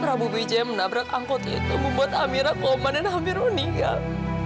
prabu wijaya menabrak angkot itu membuat amira komandannya hampir meninggal